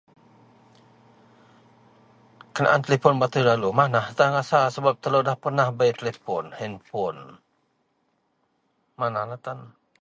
Kenaan telipon batui lalu manah tan rasa sebap telou debei pernah bei telipon, henpon. Manah lah tan.